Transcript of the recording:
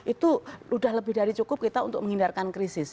itu sudah lebih dari cukup kita untuk menghindarkan krisis